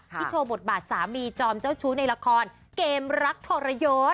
โชว์บทบาทสามีจอมเจ้าชู้ในละครเกมรักทรยศ